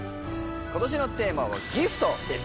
今年のテーマはＧＩＦＴです